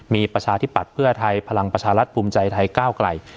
มีประชาธิปัตย์เพื่อไทยพลังประชารัฐภูมิใจไทยก้าวไกล